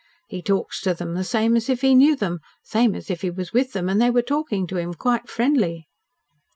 He talks to them the same as if he knew them same as if he was with them and they were talking to him quite friendly."